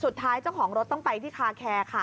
สุดท้ายเจ้าของรถต้องไปที่คาแคร์ค่ะ